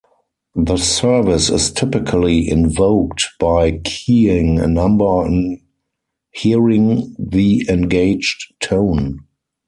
The service is typically invoked by keying a number on hearing the engaged tone.